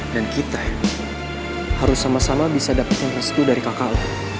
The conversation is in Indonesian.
dan kita harus sama sama bisa dapetin restu dari kakak lo